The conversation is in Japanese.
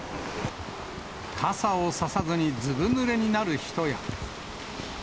傘を差さずにずぶぬれになる人や。